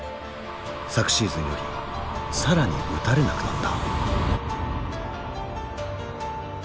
昨シーズンより更に打たれなくなった。